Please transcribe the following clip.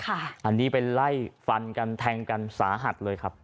อันนี้เป็นไล่ฟันกันแทงกันสาหัสเลยครับ